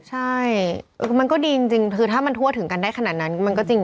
ใช่มันก็ดีจริงคือถ้ามันทั่วถึงกันได้ขนาดนั้นมันก็จริง